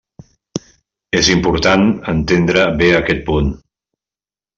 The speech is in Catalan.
És important entendre bé aquest punt.